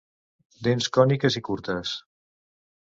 Dents còniques i curtes.